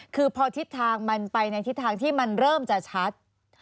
คือพอทิศทางมันไปในทิศทางที่มันเริ่มจะชัด